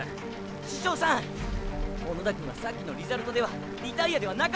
主将さん小野田くんはさっきのリザルトでは「リタイア」ではなかったです。